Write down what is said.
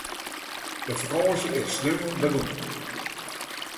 De fakânsje is sneon begûn.